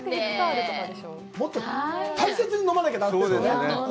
もっと大切に飲まないとだめですよね。